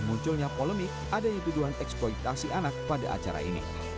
munculnya polemik adanya tuduhan eksploitasi anak pada acara ini